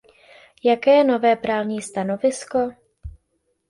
Jaké je nové právní stanovisko?